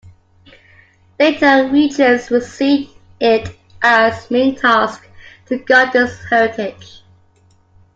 Later regents would see it as main task to guard this heritage.